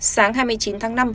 sáng hai mươi chín tháng năm